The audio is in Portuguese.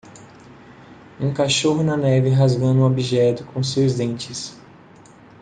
Um cachorro na neve rasgando um objeto com seus dentes